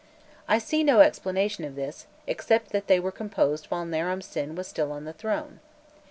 I see no explanation of this, except that they were composed while Naram Sin was still on the throne.